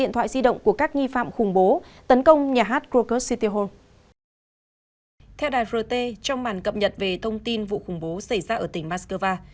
trong một bản cập nhật về thông tin vụ khủng bố xảy ra ở tỉnh moskova